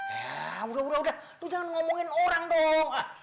ya udah udah lu jangan ngomongin orang dong